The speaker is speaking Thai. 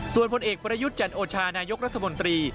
ส่วนผลเอกประยุทธ์จันโอชานายกรัฐมนตรี